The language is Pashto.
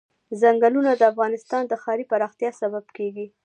ځنګلونه د افغانستان د ښاري پراختیا سبب کېږي.